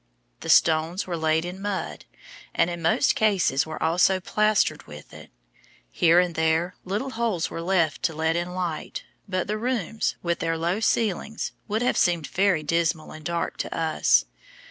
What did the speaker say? The stones were laid in mud, and in most cases were also plastered with it. Here and there little holes were left to let in light, but the rooms, with their low ceilings, would have seemed very dismal and dark to us.